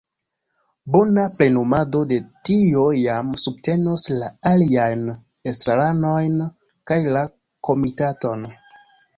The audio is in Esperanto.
Bona plenumado de tio jam subtenos la aliajn estraranojn kaj la komitaton.